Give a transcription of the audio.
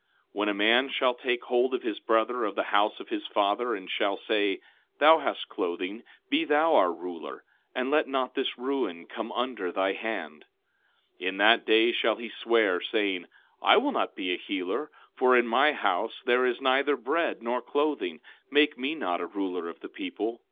13:6 When a man shall take hold of his brother of the house of his father, and shall say: Thou hast clothing, be thou our ruler, and let not this ruin come under thy hand— 13:7 In that day shall he swear, saying: I will not be a healer; for in my house there is neither bread nor clothing; make me not a ruler of the people.